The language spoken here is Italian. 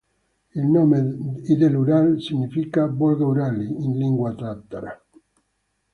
Il nome "Idel-Ural" significa "Volga-Urali" in lingua tatara.